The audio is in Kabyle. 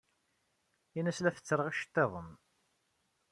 Ini-as la fessreɣ iceḍḍiḍen.